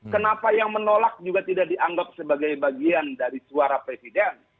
kenapa yang menolak juga tidak dianggap sebagai bagian dari suara presiden